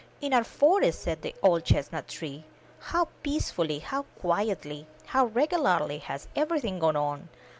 *'In our forest/* said the old chestnut tree, how peacefully, how quietly, how regularly has everything gone on